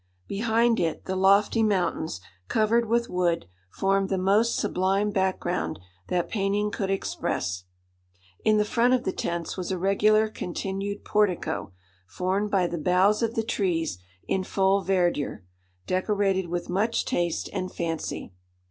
Behind it, the lofty mountains, covered with wood, formed the most sublime back ground that painting could express. In the front of the tents was a regular continued portico, formed by the boughs of the trees in full verdure, decorated with much taste and fancy.